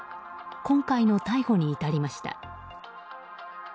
今回の逮捕に至りました。